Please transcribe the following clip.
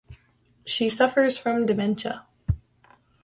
She suffers from dementia.